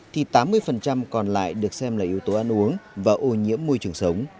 thì tám mươi còn lại được xem là yếu tố ăn uống và ô nhiễm môi trường sống